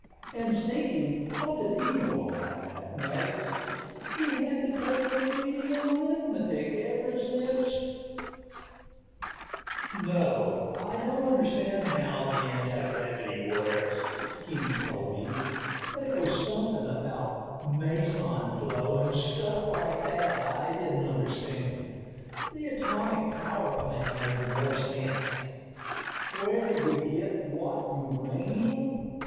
And Stinky, what does he know about mathematics? He's had to take Remedial Arithmetic ever since ...No, I don't understand how the antigravity works. Skinny told me, but it was something about meson flow and stuff like that that I didn't understand. The atomic power plant made more sense. Where did we get what uranium?